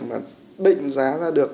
mà định giá ra được